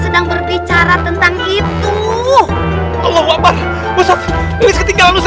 sedang berbicara tentang itu allah wabarakatuh